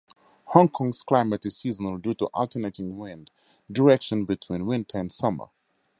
Hong Kong's climate is seasonal due to alternating wind direction between winter and summer.